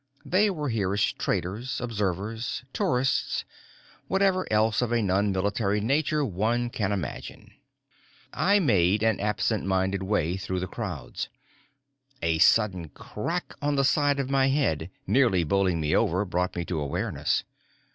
They were here as traders, observers, tourists, whatever else of a non military nature one can imagine. I made an absent minded way through the crowds. A sudden crack on the side of my head, nearly bowling me over, brought me to awareness.